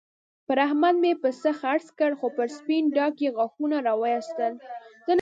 پر احمد مې پسه خرڅ کړ؛ خو پر سپين ډاګ يې غاښونه را واېستل.